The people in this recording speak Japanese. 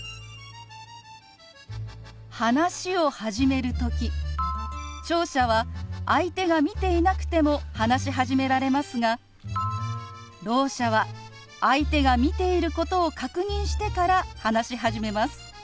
話を始める時聴者は相手が見ていなくても話し始められますがろう者は相手が見ていることを確認してから話し始めます。